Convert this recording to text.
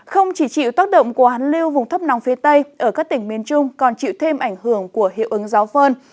không chỉ chịu tác động của hắn lưu vùng thấp nóng phía tây ở các tỉnh miền trung còn chịu thêm ảnh hưởng của hiệu ứng gió phơn